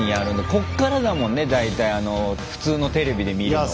こっからだもんね大体普通のテレビで見るのは。